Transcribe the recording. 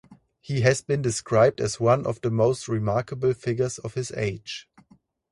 He has been described as "one of the most remarkable figures of his age".